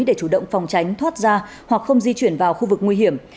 để chủ động phòng tránh thoát ra hoặc không di chuyển vào khu vực nguy hiểm